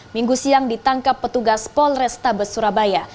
minggu siang ditangkap petugas polresta besurabaya